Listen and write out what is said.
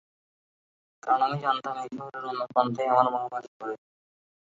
কারণ, আমি জানতাম এই শহরের অন্য প্রান্তেই আমার মা বাস করে।